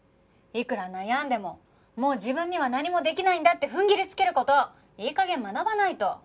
いくら悩んでももう自分には何もできないんだって踏ん切りつける事いい加減学ばないと。